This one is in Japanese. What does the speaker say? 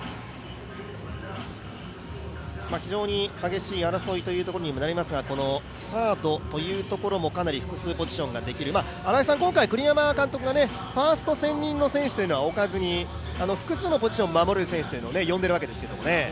非常に激しい争いというところにもなりますがサードというところもかなり複数ポジションができる、今回、栗山監督がファースト専任の選手は置かずに複数のポジションを守る選手を呼んでいるわけですが。